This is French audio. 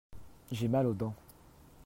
J'ai mal aux dents.